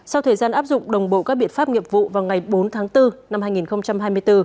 sau thời gian áp dụng đồng bộ các biện pháp nghiệp vụ vào ngày bốn tháng bốn năm hai nghìn hai mươi bốn